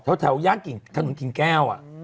เพราะแถวยาห์สกินถนนกินแค้ว